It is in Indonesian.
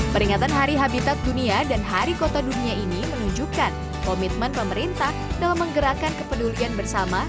peringatan hari habitat dunia dan hari kota dunia ini menunjukkan komitmen pemerintah dalam menggerakkan kepedulian bersama